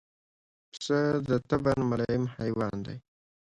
پسه د طبعاً ملایم حیوان دی.